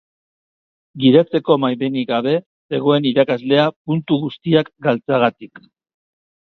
Gidatzeko baimenik gabe zegoen irakaslea puntu guztiak galtzeagatik.